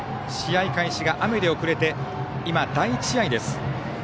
試合開始が雨で遅れて今、第１試合です。